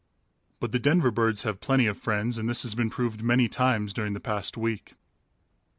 But the Denver birds have plenty of friends and this has been proved many times during the past week.